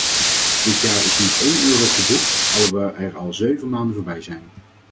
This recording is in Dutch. Dit jaar is niet één euro geboekt, alhoewel er al zeven maanden voorbij zijn.